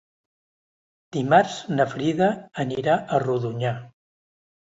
Dimarts na Frida anirà a Rodonyà.